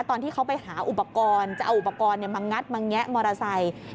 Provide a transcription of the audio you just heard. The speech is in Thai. ตอนที่เขาไปหาอุปกรณ์จะเอาอุปกรณ์มางัดมาแงะมอเตอร์ไซค์